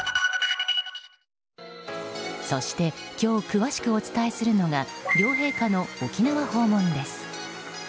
そして今日、詳しくお伝えするのが両陛下の沖縄訪問です。